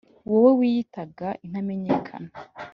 wowe wiyitaga intamenyekana